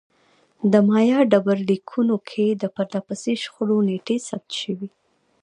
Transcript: د مایا ډبرلیکونو کې د پرله پسې شخړو نېټې ثبت شوې